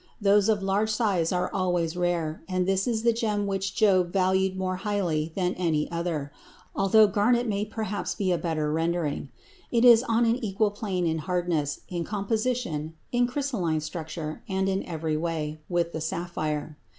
Those of large size are always rare, and this is the gem which Job valued more highly than any other, although "garnet" may perhaps be a better rendering. It is on an equal plane in hardness, in composition, in crystalline structure, and in every way, with the sapphire.